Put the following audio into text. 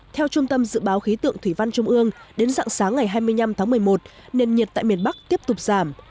theo trung tâm dự báo khí tượng thủy văn trung ương đến dạng sáng ngày hai mươi năm tháng một mươi một nền nhiệt tại miền bắc tiếp tục giảm